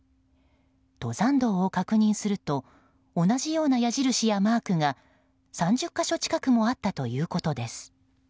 登山道を確認すると同じような矢印やマークが３０か所近くもあったということです。